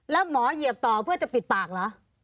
แล้วหมอเหยียบต่อเพื่อจะปิดปากเหรอ